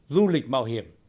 du lịch mạo hiểm